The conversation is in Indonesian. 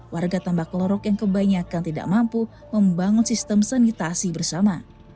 warga tambak lorok yang kebanyakan tidak mampu membangun sistem sanitasi bersama